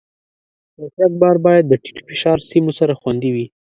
د ټرک بار باید د ټیټ فشار سیمو سره خوندي وي.